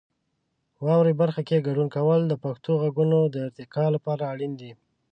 واورئ برخه کې ګډون کول د پښتو غږونو د ارتقا لپاره اړین دی.